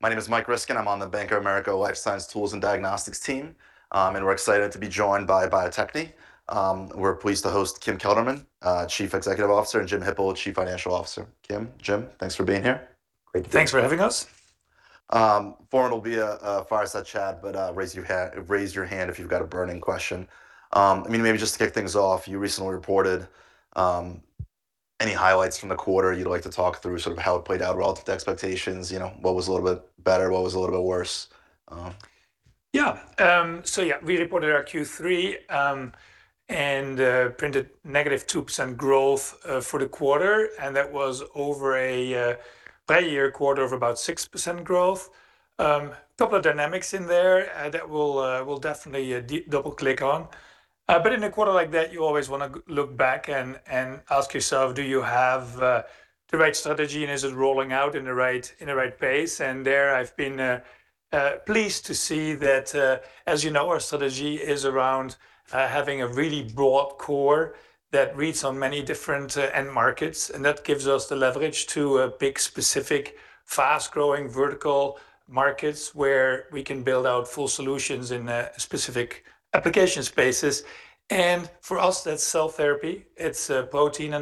Yes. My name is Mike Ryskin. I'm on the Bank of America Life Science Tools and Diagnostics team. We're excited to be joined by Bio-Techne. We're pleased to host Kim Kelderman, Chief Executive Officer, and Jim Hippel, Chief Financial Officer. Kim, Jim, thanks for being here. Thanks for having us. The forum will be a fireside chat. Raise your hand if you've got a burning question. I mean, maybe just to kick things off, you recently reported. Any highlights from the quarter you'd like to talk through, sort of how it played out relative to expectations, you know, what was a little bit better, what was a little bit worse? We reported our Q3 and printed -2% growth for the quarter, and that was over a prior-year quarter of about 6% growth. Couple of dynamics in there that we'll definitely double-click on. In a quarter like that, you always wanna look back and ask yourself, do you have the right strategy, and is it rolling out in the right, in the right pace? There I've been pleased to see that, as you know, our strategy is around having a really broad core that reads on many different end markets, that gives us the leverage to pick specific fast-growing vertical markets where we can build out full solutions in specific application spaces. For us, that's cell therapy, it's protein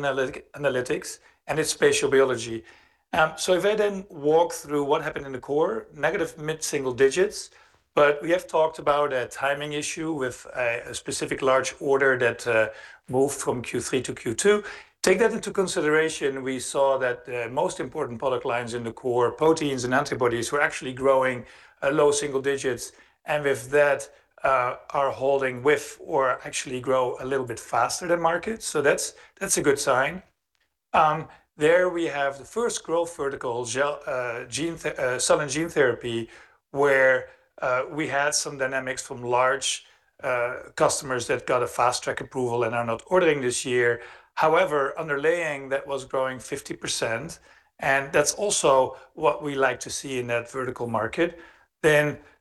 analytics, and it's spatial biology. If I then walk through what happened in the core, negative mid-single digits, but we have talked about a timing issue with a specific large order that moved from Q3 to Q2. Take that into consideration, we saw that the most important product lines in the core, proteins and antibodies, were actually growing low single digits, and with that, are holding with or actually grow a little bit faster than market. That's a good sign. There we have the first growth vertical, cell and gene therapy, where we had some dynamics from large customers that got a Fast Track approval and are not ordering this year. Underlying, that was growing 50%, that's also what we like to see in that vertical market.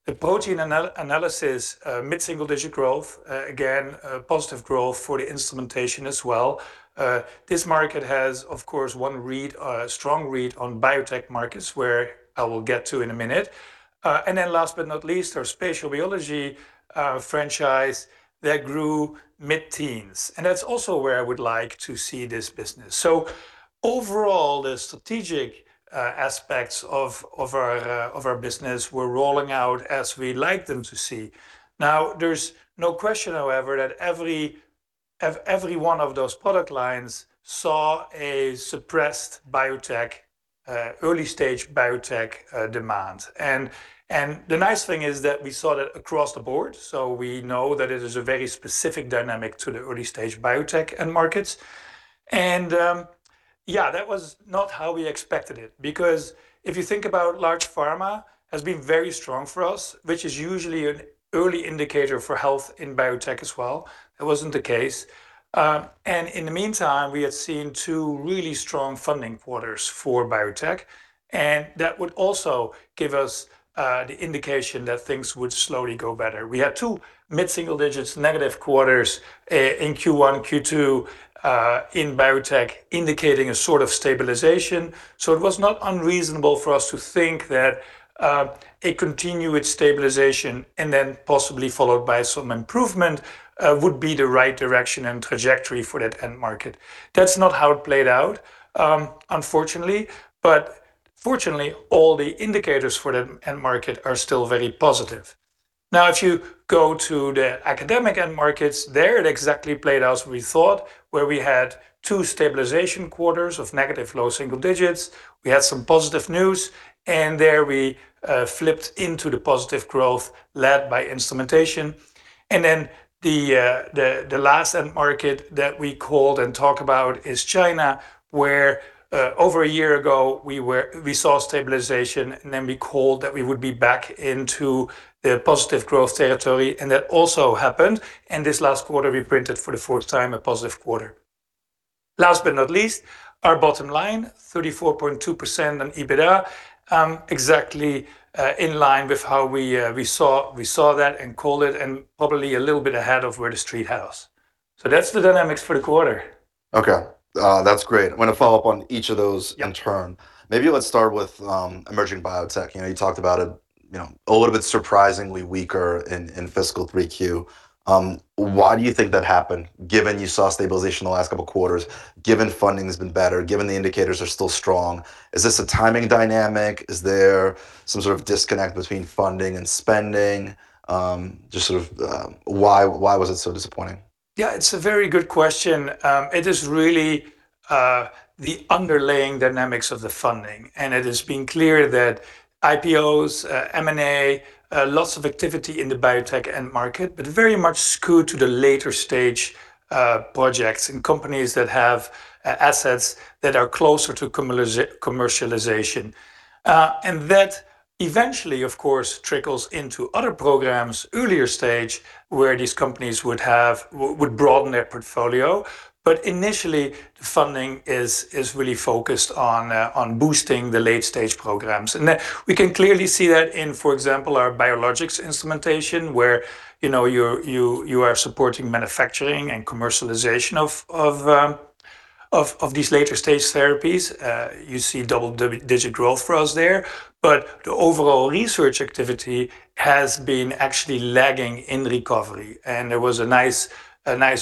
The protein analysis, mid-single-digit growth. Again, positive growth for the instrumentation as well. This market has, of course, one read, strong read on biotech markets where I will get to in a minute. Last but not least, our spatial biology franchise, that grew mid-teens, that's also where I would like to see this business. Overall, the strategic aspects of our business were rolling out as we like them to see. There's no question, however, that every one of those product lines saw a suppressed biotech, early stage biotech, demand. The nice thing is that we saw that across the board, so we know that it is a very specific dynamic to the early stage biotech end markets. Yeah, that was not how we expected it, because if you think about large pharma, has been very strong for us, which is usually an early indicator for health in biotech as well. That wasn't the case. In the meantime, we had seen two really strong funding quarters for biotech, and that would also give us the indication that things would slowly go better. We had two mid-single digits negative quarters in Q1, Q2 in biotech, indicating a sort of stabilization. It was not unreasonable for us to think that a continued stabilization and then possibly followed by some improvement would be the right direction and trajectory for that end market. That's not how it played out, unfortunately. Fortunately, all the indicators for the end market are still very positive. If you go to the academic end markets, there it exactly played out as we thought, where we had two stabilization quarters of negative low single digits. We had some positive news, and there we flipped into the positive growth led by instrumentation. The last end market that we called and talk about is China, where over a year ago we saw stabilization, and then we called that we would be back into the positive growth territory, and that also happened. This last quarter we printed for the fourth time a positive quarter. Last but not least, our bottom line, 34.2% on EBITDA, exactly in line with how we saw that and called it, and probably a little bit ahead of where the Street has. That's the dynamics for the quarter. Okay. That's great. I'm gonna follow up on each of those in turn. Yeah. Maybe let's start with emerging biotech. You know, you talked about it, you know, a little bit surprisingly weaker in fiscal Q3. Why do you think that happened, given you saw stabilization the last couple of quarters, given funding has been better, given the indicators are still strong? Is this a timing dynamic? Is there some sort of disconnect between funding and spending? Just sort of, why was it so disappointing? Yeah, it's a very good question. It is really the underlying dynamics of the funding. It has been clear that IPOs, M&A, lots of activity in the biotech end market, but very much skewed to the later-stage projects and companies that have assets that are closer to commercialization. That eventually, of course, trickles into other programs, earlier stage, where these companies would broaden their portfolio. Initially, the funding is really focused on boosting the late stage programs. That, we can clearly see that in, for example, our biologics instrumentation, where, you know, you are supporting manufacturing and commercialization of these later-stage therapies. You see double-digit growth for us there. The overall research activity has been actually lagging in recovery. There was a nice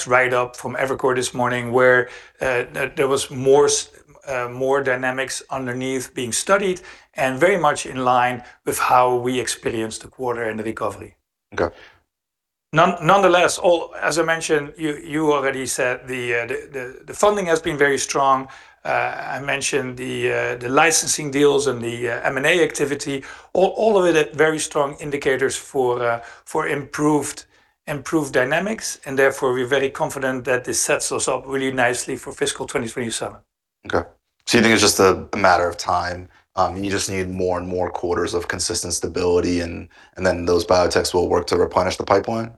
write-up from Evercore this morning where there was more dynamics underneath being studied and very much in line with how we experienced the quarter and the recovery. Okay. Nonetheless, all, as I mentioned, you already said the funding has been very strong. I mentioned the licensing deals and the M&A activity. All of it are very strong indicators for improved dynamics, and therefore we're very confident that this sets us up really nicely for fiscal 2027. Okay. You think it's just a matter of time, and you just need more and more quarters of consistent stability and then those biotechs will work to replenish the pipeline?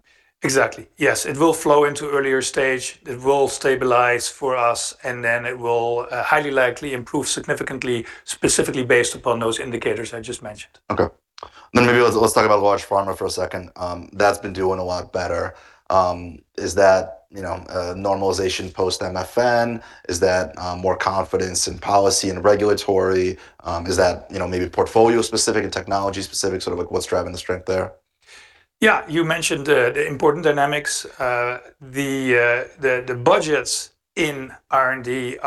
Exactly, yes. It will flow into earlier stage. It will stabilize for us, and then it will highly likely improve significantly, specifically based upon those indicators I just mentioned. Okay. Maybe let's talk about large pharma for a second. That's been doing a lot better. Is that, you know, a normalization post MFN? Is that more confidence in policy and regulatory? Is that, you know, maybe portfolio specific and technology specific, sort of like what's driving the strength there? Yeah, you mentioned the important dynamics. The budgets in R&D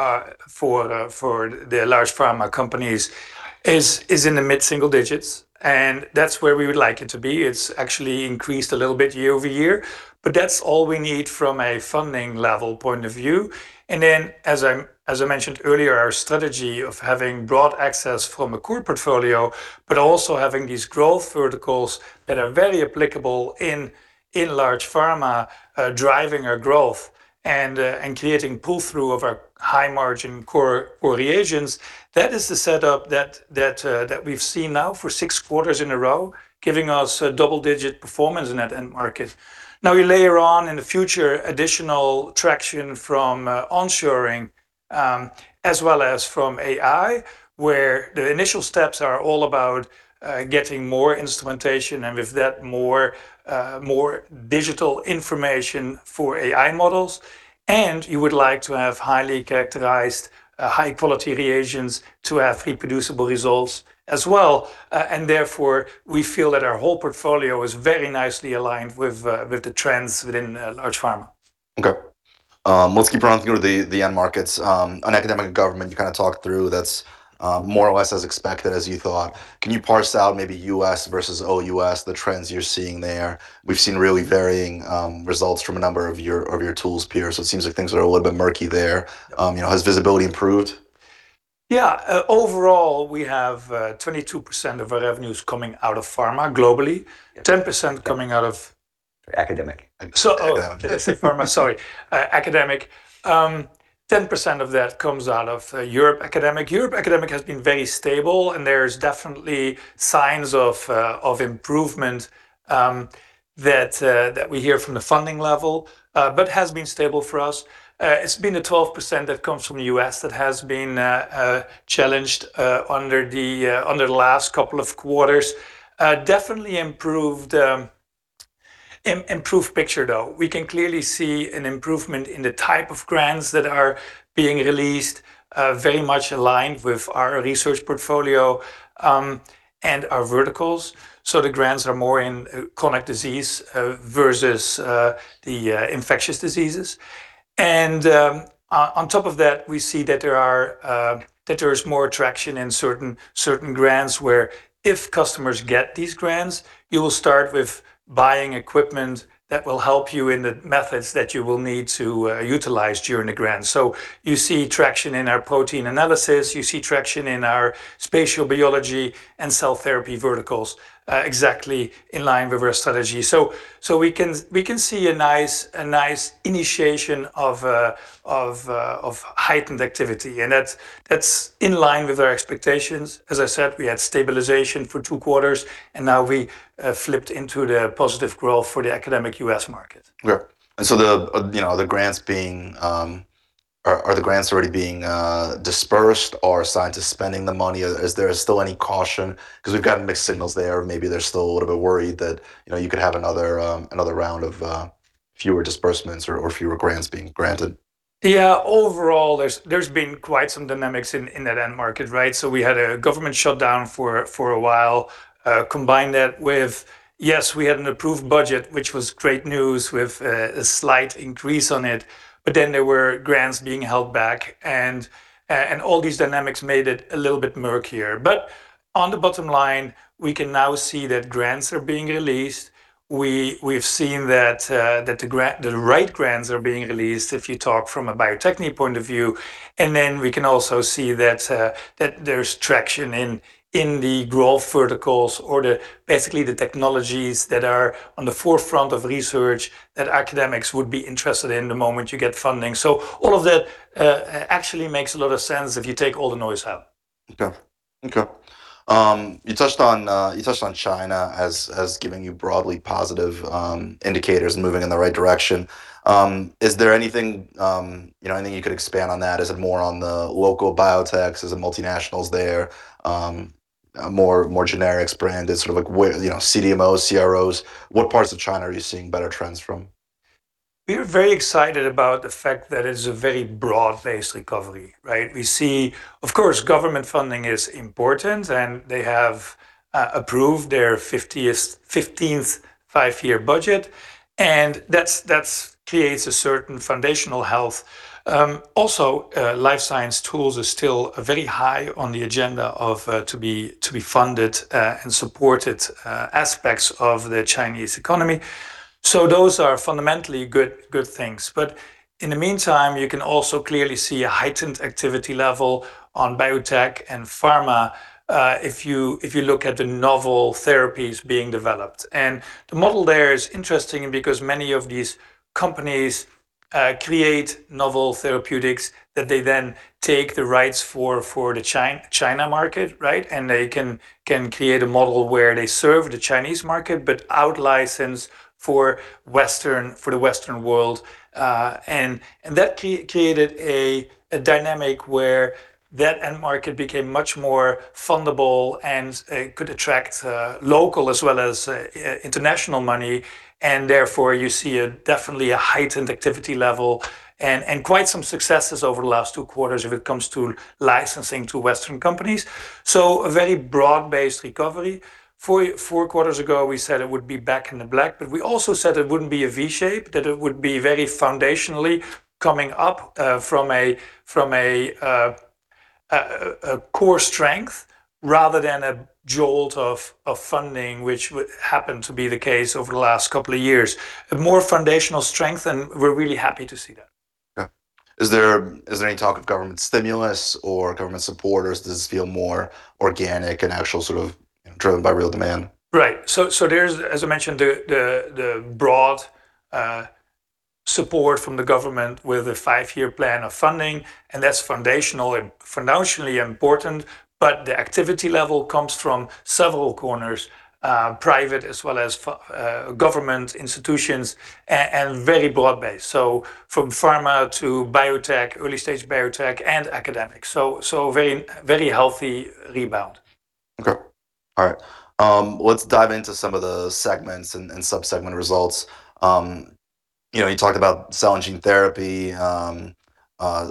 for the large pharma companies is in the mid-single digits, and that's where we would like it to be. It's actually increased a little bit year-over-year, but that's all we need from a funding level point of view. As I mentioned earlier, our strategy of having broad access from a core portfolio, but also having these growth verticals that are very applicable in large pharma, driving our growth and creating pull-through of our high-margin core reagents. That is the setup that we've seen now for six quarters in a row, giving us a double-digit performance in that end market. Now, we layer on in the future additional traction from onshoring, as well as from AI, where the initial steps are all about getting more instrumentation and with that more digital information for AI models. You would like to have highly characterized, high-quality reagents to have reproducible results as well. Therefore we feel that our whole portfolio is very nicely aligned with the trends within large pharma. Okay. Let's keep on going with the end markets. On academic and government, you kind of talked through that's more or less as expected as you thought. Can you parse out maybe U.S. versus OUS, the trends you're seeing there? We've seen really varying results from a number of your tools, peers, so it seems like things are a little bit murky there. You know, has visibility improved? Yeah. Overall, we have 22% of our revenues coming out of pharma globally, 10% coming out of— Academic. Oh. Academic. Did I say pharma? Sorry. Academic. Ten percent of that comes out of Europe academic. Europe academic has been very stable and there's definitely signs of improvement that we hear from the funding level, but has been stable for us. It's been the 12% that comes from the U.S. that has been challenged under the last couple of quarters. Definitely improved picture though. We can clearly see an improvement in the type of grants that are being released, very much aligned with our research portfolio and our verticals. The grants are more in chronic disease versus the infectious diseases. On top of that, we see that there are that there's more traction in certain grants where if customers get these grants, you will start with buying equipment that will help you in the methods that you will need to utilize during the grant. You see traction in our protein analysis, you see traction in our spatial biology and cell therapy verticals, exactly in line with our strategy. We can see a nice initiation of heightened activity and that's in line with our expectations. As I said, we had stabilization for two quarters and now we have flipped into the positive growth for the academic U.S. market. Yeah. You know, are the grants already being dispersed? Are scientists spending the money? Is there still any caution? 'Cause we've gotten mixed signals there. Maybe they're still a little bit worried that, you know, you could have another another round of fewer disbursements or fewer grants being granted. Yeah. Overall, there's been quite some dynamics in that end market, right? We had a government shutdown for a while. Combine that with, yes, we had an approved budget, which was great news, with a slight increase on it, there were grants being held back and all these dynamics made it a little bit murkier. On the bottom line, we can now see that grants are being released. We've seen that the right grants are being released if you talk from a Bio-Techne point of view. We can also see that there's traction in the growth verticals or the basically the technologies that are on the forefront of research that academics would be interested in the moment you get funding. All of that actually makes a lot of sense if you take all the noise out. Okay. Okay. You touched on China as giving you broadly positive indicators and moving in the right direction. Is there anything, you know, anything you could expand on that? Is it more on the local biotechs? Is it multinationals there? More, more generics branded, sort of like where, you know, CDMOs, CROs. What parts of China are you seeing better trends from? We're very excited about the fact that it's a very broad-based recovery, right? We see, of course, government funding is important, and they have approved their 15th five-year budget, and that creates a certain foundational health. Also, life science tools are still very high on the agenda of to be funded and supported aspects of the Chinese economy. Those are fundamentally good things. In the meantime, you can also clearly see a heightened activity level on biotech and pharma if you look at the novel therapies being developed. The model there is interesting because many of these companies create novel therapeutics that they then take the rights for for the China market, right? They can create a model where they serve the Chinese market, but out-license for Western for the Western world. That created a dynamic where that end market became much more fundable and could attract local as well as international money. Therefore, you see a definitely a heightened activity level and quite some successes over the last two quarters when it comes to licensing to Western companies. A very broad-based recovery. Four quarters ago, we said it would be back in the black, but we also said it wouldn't be a V shape, that it would be very foundationally coming up from a core strength rather than a jolt of funding, which happened to be the case over the last two years. A more foundational strength. We're really happy to see that. Yeah. Is there any talk of government stimulus or government support, or does this feel more organic and actual sort of driven by real demand? Right. There's, as I mentioned, the broad support from the government with a five-year plan of funding, and that's foundational and foundationally important. The activity level comes from several corners, private as well as government institutions and very broad-based. From pharma to biotech, early-stage biotech and academics. Very healthy rebound. Okay. All right. Let's dive into some of the segments and sub-segment results. You know, you talked about cell and gene therapy,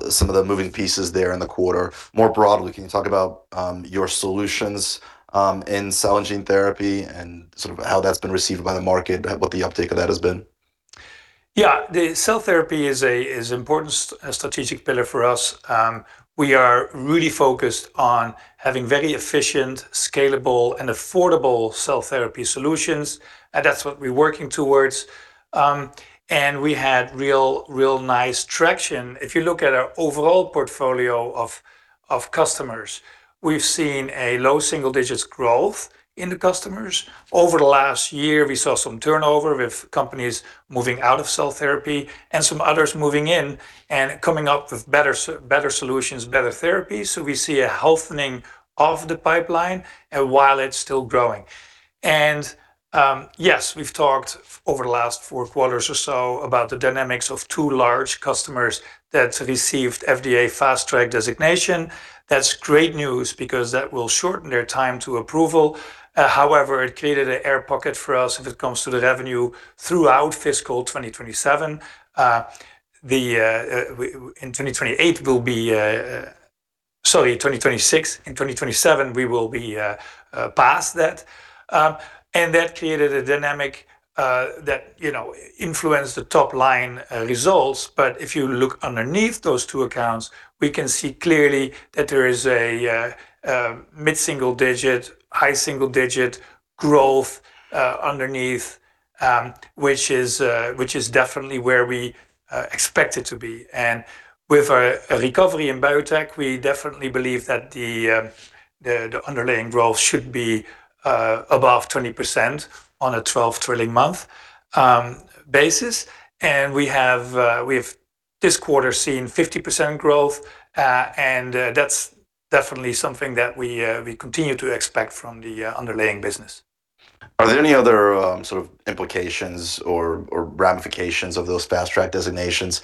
some of the moving pieces there in the quarter. More broadly, can you talk about your solutions in cell and gene therapy and sort of how that's been received by the market, what the uptake of that has been? Yeah. The cell therapy is a important strategic pillar for us. We are really focused on having very efficient, scalable, and affordable cell therapy solutions, and that's what we're working towards. We had real nice traction. If you look at our overall portfolio of customers, we've seen a low single digits growth in the customers. Over the last year, we saw some turnover with companies moving out of cell therapy and some others moving in and coming up with better solutions, better therapies. We see a healthening of the pipeline, while it's still growing. Yes, we've talked over the last four quarters or so about the dynamics of two large customers that's received FDA Fast Track designation. That's great news because that will shorten their time to approval. However, it created a air pocket for us if it comes to the revenue throughout fiscal 2027. In 2028, we'll be Sorry, 2026. In 2027, we will be past that. That created a dynamic that, you know, influenced the top-line results. If you look underneath those two accounts, we can see clearly that there is a mid-single-digit, high single-digit growth underneath, which is definitely where we expect it to be. With a recovery in biotech, we definitely believe that the underlying growth should be above 20% on a 12 trailing-month basis. We have, we've this quarter seen 50% growth. That's definitely something that we continue to expect from the underlying business. Are there any other sort of implications or ramifications of those Fast Track designations?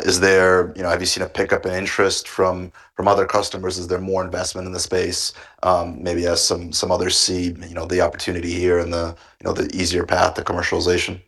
Is there You know, have you seen a pickup in interest from other customers? Is there more investment in the space, maybe as some others see, you know, the opportunity here and the, you know, the easier path to commercialization?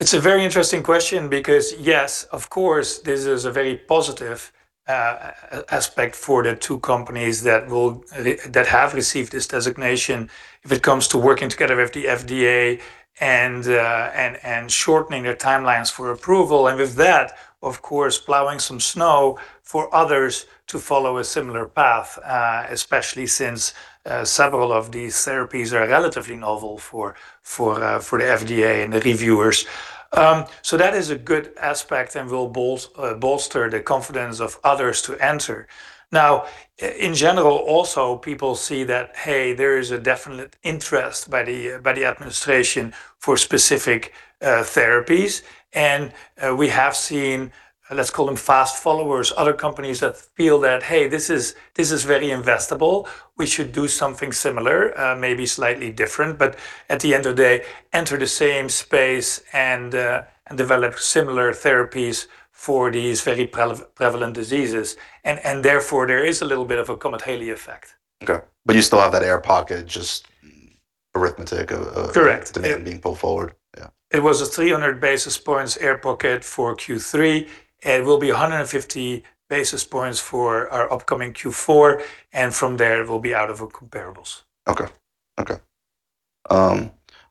It's a very interesting question because, yes, of course, this is a very positive aspect for the two companies that have received this designation if it comes to working together with the FDA and shortening their timelines for approval. With that, of course, plowing some snow for others to follow a similar path, especially since several of these therapies are relatively novel for the FDA and the reviewers. That is a good aspect and will bolster the confidence of others to enter. Now, in general also, people see that, hey, there is a definite interest by the administration for specific therapies. We have seen, let's call them fast followers, other companies that feel that, hey, this is very investable. We should do something similar, maybe slightly different, but at the end of the day, enter the same space and develop similar therapies for these very prevalent diseases. Therefore, there is a little bit of a Comet Halley effect. Okay. You still have that air pocket, just arithmetic of— Correct. Demand being pulled forward. Yeah. It was a 300 basis points air pocket for Q3, and will be 150 basis points for our upcoming Q4, and from there it will be out of our comparables. Okay. Okay.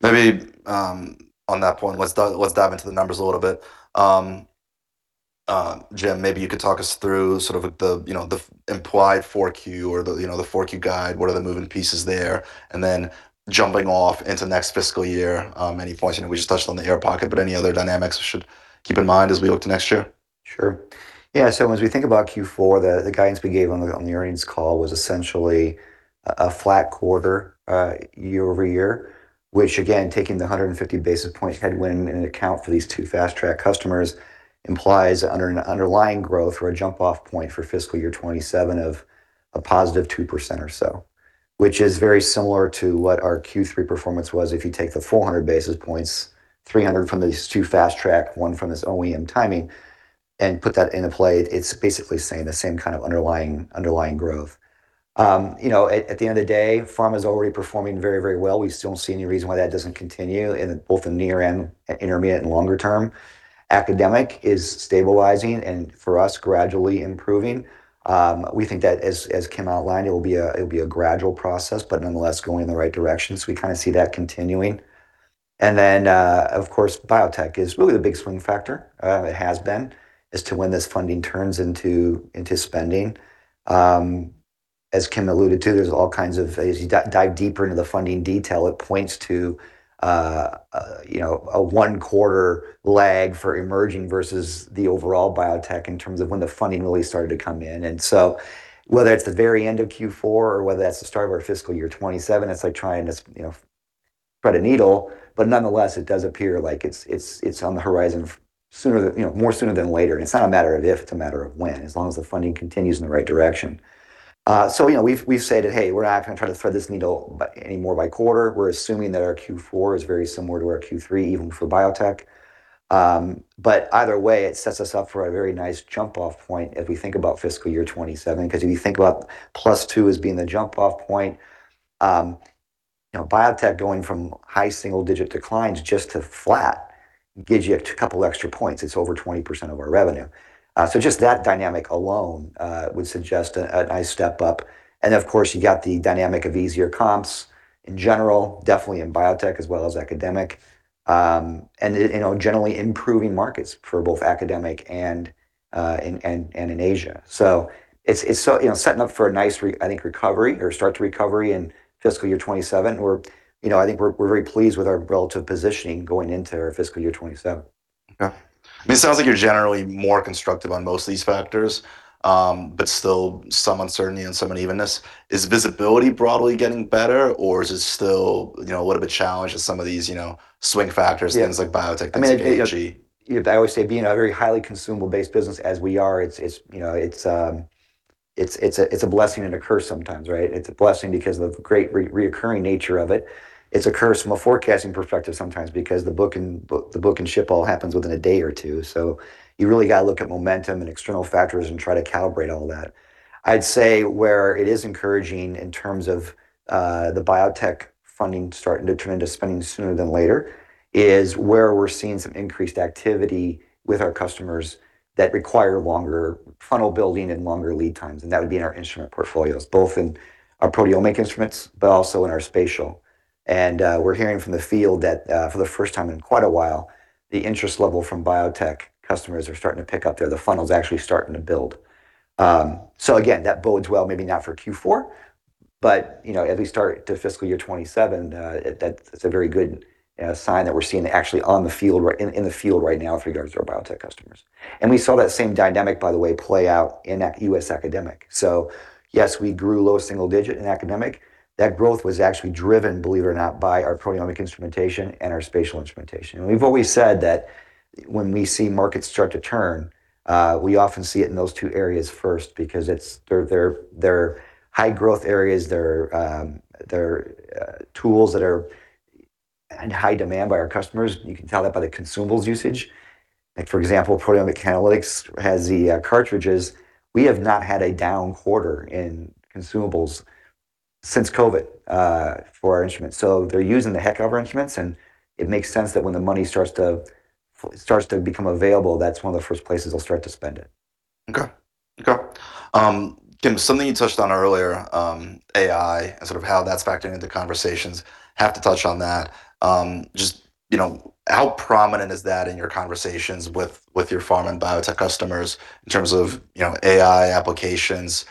Maybe on that point, let's dive into the numbers a little bit. Jim, maybe you could talk us through sort of the, you know, the implied 4Q or the, you know, the 4Q guide. What are the moving pieces there? Jumping off into next fiscal year, any points, you know, we just touched on the air pocket, but any other dynamics we should keep in mind as we look to next year? Sure. Yeah, as we think about Q4, the guidance we gave on the earnings call was essentially a flat quarter year-over-year, which again, taking the 150 basis points headwind into account for these two Fast Track customers implies underlying growth or a jump-off point for fiscal 2027 of a positive 2% or so, which is very similar to what our Q3 performance was. If you take the 400 basis points, 300 basis points from these two Fast Track, 100 basis points from this OEM timing, and put that into play, it's basically saying the same kind of underlying growth. You know, at the end of the day, pharma's already performing very well. We still don't see any reason why that doesn't continue in both the near and intermediate and longer term. Academic is stabilizing and for us gradually improving. We think that as Kim outlined, it'll be a gradual process, but nonetheless going in the right direction, we kind of see that continuing. Of course, biotech is really the big swing factor, it has been, as to when this funding turns into spending. As Kim alluded to, there's all kinds of as you dive deeper into the funding detail, it points to, you know, a one-quarter lag for emerging versus the overall biotech in terms of when the funding really started to come in. Whether it's the very end of Q4 or whether that's the start of our fiscal 2027, it's like trying to, you know, thread a needle. Nonetheless, it does appear like it's on the horizon sooner than, you know, more sooner than later. It's not a matter of if, it's a matter of when, as long as the funding continues in the right direction. You know, we've said that, hey, we're not gonna try to thread this needle any more by quarter. We're assuming that our Q4 is very similar to our Q3 even for biotech. Either way, it sets us up for a very nice jump-off point as we think about fiscal 2027. 'Cause if you think about +2 as being the jump-off point, you know, biotech going from high single-digit declines just to flat gives you a couple extra points. It's over 20% of our revenue. Just that dynamic alone would suggest a nice step up. Of course, you got the dynamic of easier comps in general, definitely in biotech as well as academic. It, you know, generally improving markets for both academic and in Asia. It, you know, setting up for a nice I think recovery or start to recovery in fiscal year 2027. We're, you know, I think we're very pleased with our relative positioning going into fiscal year 2027. Okay. I mean, it sounds like you're generally more constructive on most of these factors, but still some uncertainty and some unevenness. Is visibility broadly getting better, or is it still, you know, a little bit challenged with some of these, you know, swing factors? Yeah. Things like biotech that seem to be edgy? I mean, you know, you have to always say being a very highly consumable-based business as we are, it's, you know, it's a, it's a blessing and a curse sometimes, right? It's a blessing because of the great recurring nature of it. It's a curse from a forecasting perspective sometimes because the book and ship all happens within a day or two. You really got to look at momentum and external factors and try to calibrate all that. I'd say where it is encouraging in terms of the biotech funding starting to turn into spending sooner than later is where we're seeing some increased activity with our customers that require longer funnel building and longer lead times, and that would be in our instrument portfolios, both in our proteomic instruments, but also in our spatial. We're hearing from the field that for the first time in quite a while, the interest level from biotech customers are starting to pick up there. The funnel's actually starting to build. Again, that bodes well maybe not for Q4, but, you know, as we start to fiscal year 2027, that's a very good sign that we're seeing actually in the field right now with regards to our biotech customers. We saw that same dynamic, by the way, play out in U.S. academic. Yes, we grew low single-digit in academic. That growth was actually driven, believe it or not, by our proteomic instrumentation and our spatial instrumentation. We've always said that when we see markets start to turn, we often see it in those two areas first because They're high-growth areas. They're tools that are in high demand by our customers. You can tell that by the consumables usage. Like for example, protein analytics has the cartridges. We have not had a down quarter in consumables since COVID for our instruments. They're using the heck out of our instruments, and it makes sense that when the money starts to become available, that's one of the first places they'll start to spend it. Okay. Okay. Kim, something you touched on earlier, AI and sort of how that's factoring into conversations, have to touch on that. Just, you know, how prominent is that in your conversations with your pharma and biotech customers in terms of, you know, AI applications,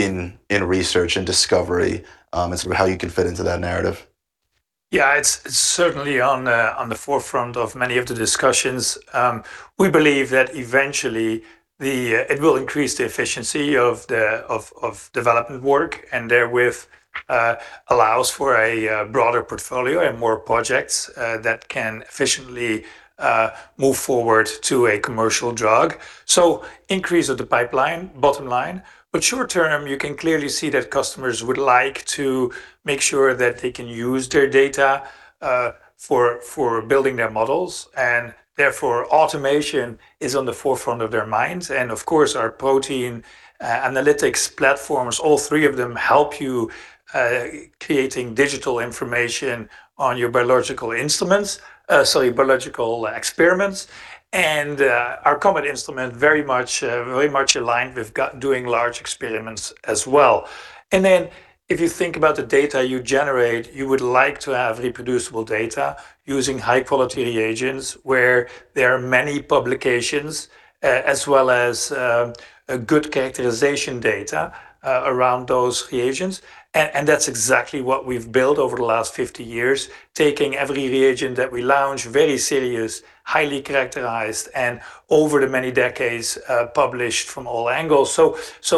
in research and discovery, and sort of how you can fit into that narrative? It's certainly on the forefront of many of the discussions. We believe that eventually it will increase the efficiency of the development work and therewith allows for a broader portfolio and more projects that can efficiently move forward to a commercial drug. Increase of the pipeline, bottom line. Short term, you can clearly see that customers would like to make sure that they can use their data for building their models, and therefore, automation is on the forefront of their minds. Of course, our protein analytics platforms, all three of them help you creating digital information on your biological instruments, sorry, biological experiments. Our COMET instrument very much aligned with doing large experiments as well. If you think about the data you generate, you would like to have reproducible data using high-quality reagents where there are many publications, as well as a good characterization data around those reagents. That's exactly what we've built over the last 50 years, taking every reagent that we launch, very serious, highly characterized, and over the many decades published from all angles.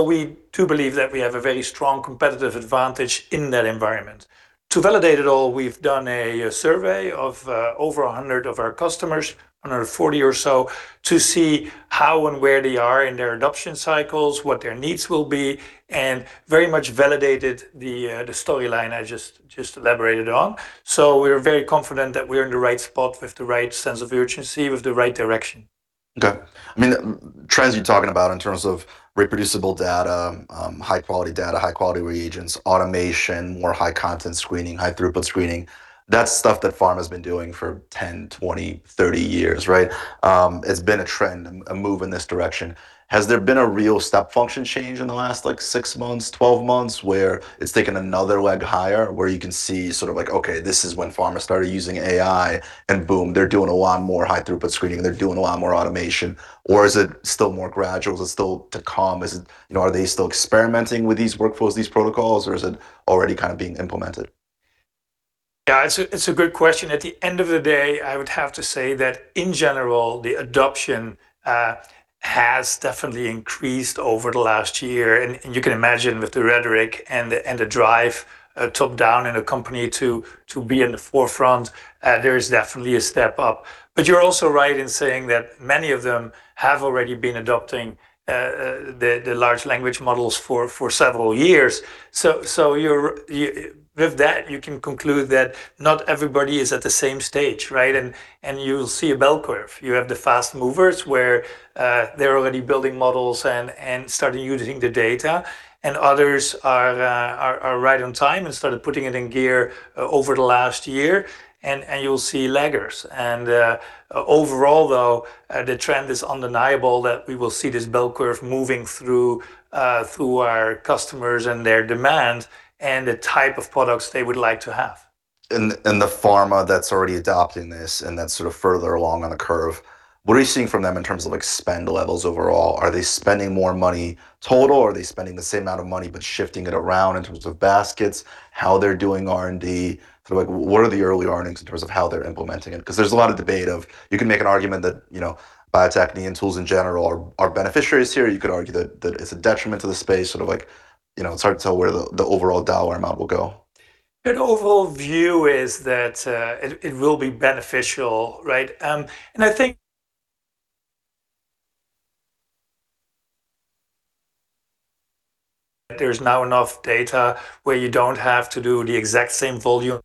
We do believe that we have a very strong competitive advantage in that environment. To validate it all, we've done a survey of over 100 of our customers, 140 or so, to see how and where they are in their adoption cycles, what their needs will be, and very much validated the storyline I just elaborated on. We're very confident that we're in the right spot with the right sense of urgency, with the right direction. Okay. I mean, trends you're talking about in terms of reproducible data, high-quality data, high-quality reagents, automation, more high-content screening, high-throughput screening, that's stuff that pharma's been doing for 10, 20, 30 years, right? It's been a trend, a move in this direction. Has there been a real step function change in the last like six months, 12 months, where it's taken another leg higher, where you can see sort of like, okay, this is when pharma started using AI, boom, they're doing a lot more high-throughput screening, they're doing a lot more automation? Is it still more gradual? Is it still to come? You know, are they still experimenting with these workflows, these protocols, is it already kind of being implemented? Yeah, it's a good question. At the end of the day, I would have to say that in general, the adoption has definitely increased over the last year. You can imagine with the rhetoric and the drive, top down, in a company to be in the forefront, there is definitely a step-up. You're also right in saying that many of them have already been adopting the large language models for several years. With that, you can conclude that not everybody is at the same stage, right? You'll see a bell curve. You have the fast movers, where, they're already building models and starting using the data, and others are right on time and started putting it in gear over the last year and you'll see laggers. Overall though, the trend is undeniable that we will see this bell curve moving through our customers and their demand and the type of products they would like to have. The pharma that's already adopting this and that's sort of further along on the curve, what are you seeing from them in terms of like spend levels overall? Are they spending more money total, or are they spending the same amount of money but shifting it around in terms of baskets, how they're doing R&D? Like what are the early earnings in terms of how they're implementing it? 'Cause there's a lot of debate of, you can make an argument that, you know, Bio-Techne and tools in general are beneficiaries here. You could argue that it's a detriment to the space, sort of like, you know, it's hard to tell where the overall dollar amount will go. The overall view is that, it will be beneficial, right? I think [inaudible] there's now enough data where you don't have to do the exact same volume.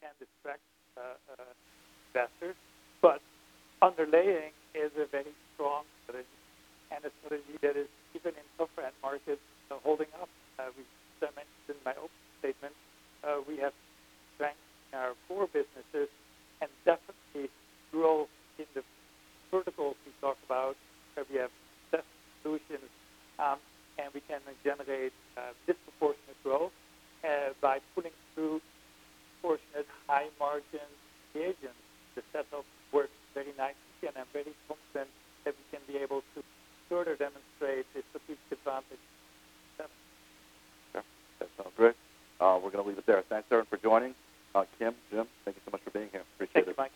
[inaudible] Underlying is a very strong, [inaudible] and a strategy that is even in tougher end markets holding up. I mentioned in my opening statement, we have strengthened our core businesses and definitely grow in the verticals we talk about, where we have best solutions, and we can generate disproportionate growth by putting through disproportionate high-margin reagents. The setup works very nicely, and I'm very confident that we can be able to further demonstrate the strategic advantage. Yeah. That sounds great. We're gonna leave it there. Thanks, everyone, for joining. Kim, Jim, thank you so much for being here. Appreciate your time.